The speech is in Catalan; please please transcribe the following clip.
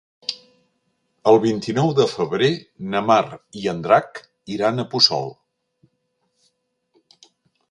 El vint-i-nou de febrer na Mar i en Drac iran a Puçol.